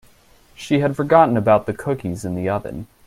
She had forgotten about the cookies in the oven.